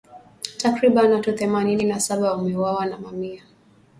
Takribani watu themanini na saba wameuawa na mamia